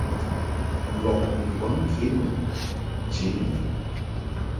Lɔʼ ni waŋ ŋkenmun nche ni mɔʼ.